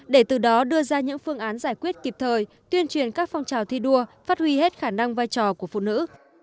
để từ đó đưa ra những phương án giải quyết kịp thời tuyên truyền các phong trào thi đua phát huy hết khả năng vai trò của phụ nữ